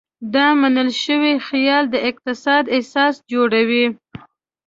دا منل شوی خیال د اقتصاد اساس جوړوي.